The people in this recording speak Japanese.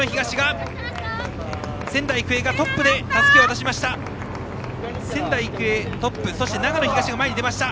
仙台育英がトップでたすきを渡しました。